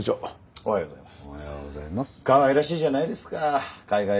おはようございます。